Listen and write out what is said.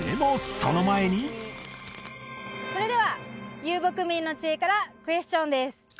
その前にそれでは遊牧民の知恵からクエスチョンです